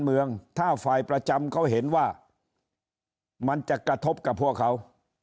เมืองถ้าฝ่ายประจำเขาเห็นว่ามันจะกระทบกับพวกเขา